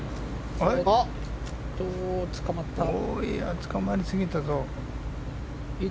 つかまりすぎたぞ。